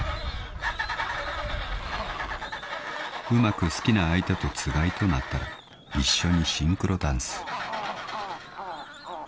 ［うまく好きな相手とつがいとなったら一緒にシンクロダンス］